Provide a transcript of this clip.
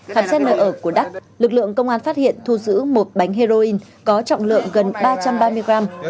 khám xét nơi ở của đắc lực lượng công an phát hiện thu giữ một bánh heroin có trọng lượng gần ba trăm ba mươi gram